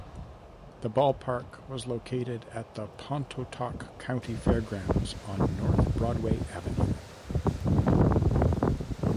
The ballpark was located at the Pontotoc County fairgrounds on North Broadway Avenue.